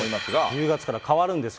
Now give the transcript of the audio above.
１０月から変わるんです。